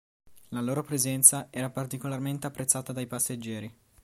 La loro presenza era particolarmente apprezzata dal passeggeri.